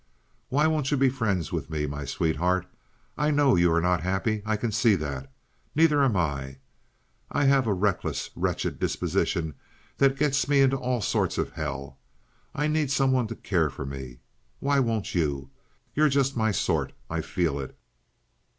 "Why won't you be friends with me, my sweetheart? I know you're not happy—I can see that. Neither am I. I have a wreckless, wretched disposition that gets me into all sorts of hell. I need some one to care for me. Why won't you? You're just my sort. I feel it.